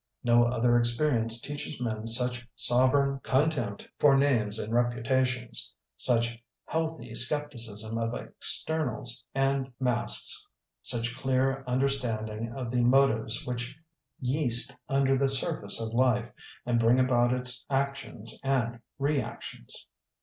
No other ex perience teaches men such sovereign contempt for names and reputations, such healthy skepticism of externals and masks, such clear understanding of the motives which yeast under the surface of life and bring about its ac tions and reactions.